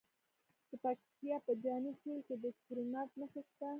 د پکتیا په جاني خیل کې د کرومایټ نښې شته.